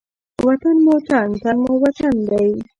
وطن مو تن، تن مو وطن دی.